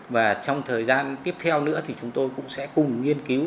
và trong thời gian tiếp theo nữa thì chúng tôi cũng sẽ cùng nghiên cứu